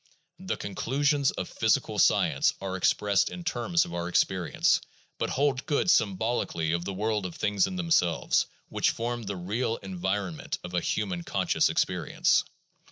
The conclusions of physical science are expressed in terms of our experience, but hold good symbolically of the world of things in themselves which forms the real environment of a human conscious experience.